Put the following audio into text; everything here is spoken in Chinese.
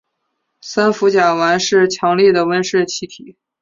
三氟甲烷是强力的温室气体。